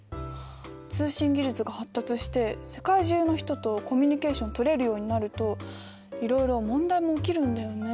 通信技術が発達して世界中の人とコミュニケーションとれるようになるといろいろ問題も起きるんだよね。